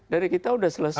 dari kita sudah selesai